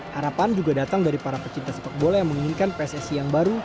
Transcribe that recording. harapan juga datang dari para pecinta sepak bola yang menginginkan pssi yang baru